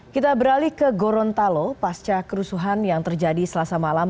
kita beralih ke gorontalo pasca kerusuhan yang terjadi selasa malam